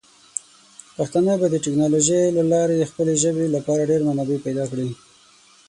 پښتانه به د ټیکنالوجۍ له لارې د خپلې ژبې لپاره ډیر منابع پیدا کړي.